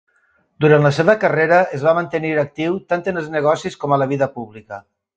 Durant la seva carrera, es va mantenir actiu tant en els negocis com a la vida pública.